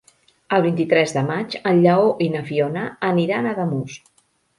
El vint-i-tres de maig en Lleó i na Fiona aniran a Ademús.